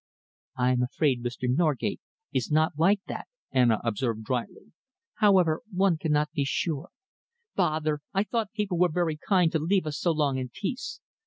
"I am afraid Mr. Norgate is not like that," Anna observed drily. "However, one cannot be sure. Bother! I thought people were very kind to leave us so long in peace.